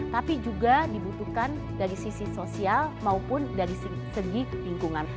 tapi juga dibutuhkan dari sisi sosial maupun dari segi lingkungan